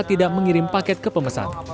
tidak mengirim paket ke pemesan